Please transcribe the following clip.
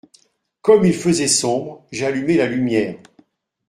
Comme il faisait sombre, j’ai allumé la lumière.